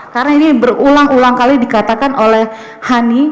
karena ini berulang ulang kali dikatakan oleh honey